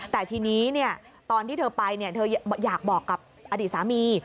แต่ทีนี้ตอนที่เธอไปเธออยากบอกกับอดีตสามี